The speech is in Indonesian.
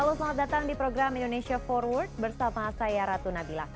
halo selamat datang di program indonesia forward bersama saya ratu nabila